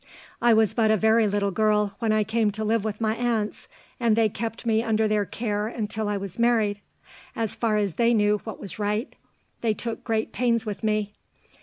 "I was but a very little girl when I came to live with my aunts, and they kept me under their care until I was married. As far as they knew what was right, they took great pains with me.